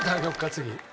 次。